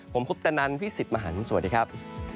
ผมคุปตนันพี่สิบมหันสวัสดีครับ